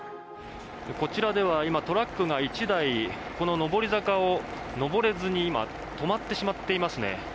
こちらでは今、トラックが１台この上り坂を上れずに今、止まってしまっていますね。